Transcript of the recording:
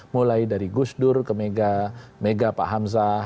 mulai dari gus dur ke mega pak hamzah